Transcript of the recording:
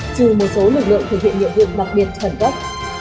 trừ một số lực lượng thực hiện nhiệm vụ đặc biệt khẩn cấp